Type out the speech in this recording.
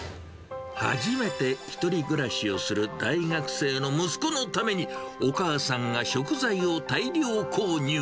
初めて１人暮らしをする大学生の息子のために、お母さんが食材を大量購入。